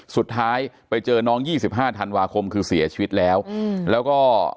สุดท้ายไปเจอน้องยี่สิบห้าธันวาคมคือเสียชีวิตแล้วอืมแล้วก็